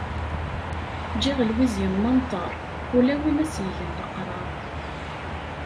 Ǧǧiɣ lwiz yemmenṭar, ula win as-yegan leqrar.